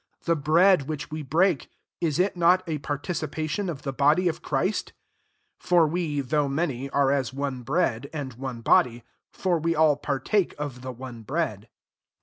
The bread which we break, is it not a participation of the body of Christ? 17 (For we, though many, are aa one bread, and one body : for we all partake of the one bread.)